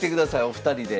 お二人で。